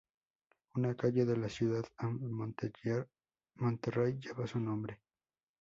Una calle de la ciudad de Monterrey lleva su nombre.